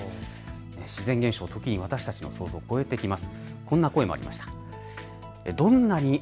自然現象、ときに私たちの想像を超えてきます。